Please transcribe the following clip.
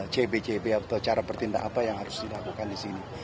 cb cb atau cara bertindak apa yang harus di lakukan disini